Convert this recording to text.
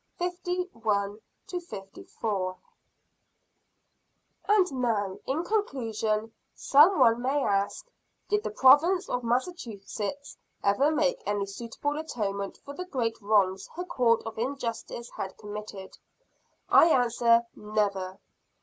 And now, in conclusion, some one may ask, "Did the Province of Massachusetts ever make any suitable atonement for the great wrongs her Courts of Injustice had committed?" I answer Never!